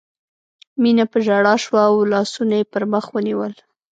مينه په ژړا شوه او لاسونه یې پر مخ ونیول